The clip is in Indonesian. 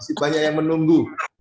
masih banyak yang menunggu